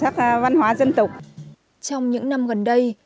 trong những năm gần đây